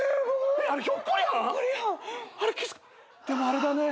でもあれだね。